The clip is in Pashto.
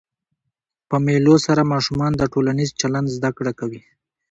په مېلو سره ماشومان د ټولنیز چلند زده کړه کوي.